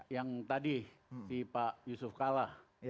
yang tadi si pak yusuf kalah